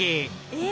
えっ？